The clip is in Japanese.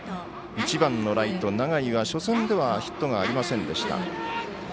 １番のライト、永井は初戦ではヒットがありませんでした。